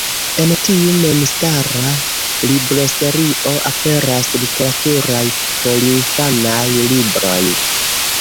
En tiu memstara libroserio aperas literaturaj porinfanaj libroj.